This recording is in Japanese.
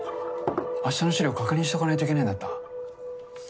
明日の資料確認しとかないといけないんだった。